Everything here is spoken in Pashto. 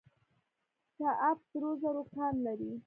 چاه اب سرو زرو کان لري؟